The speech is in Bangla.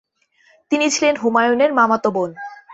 তিনি ছিলেন হুমায়ুনের মামাতো বোন।